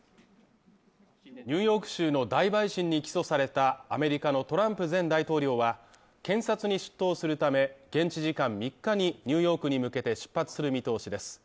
ニューヨーク州の大陪審に起訴されたアメリカのトランプ前大統領は検察に出頭するため、現地時間３日にニューヨークに向けて出発する見通しです。